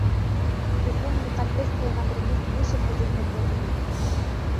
بىزنىڭ مۇقەددەس پەيغەمبىرىمىز بۇ شەھەردىن نەپرەتلىنىدۇ.